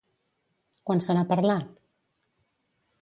Quan se n'ha parlat?